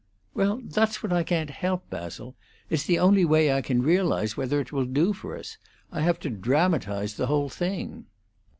"Well, that's what I can't help, Basil. It's the only way I can realize whether it will do for us. I have to dramatize the whole thing."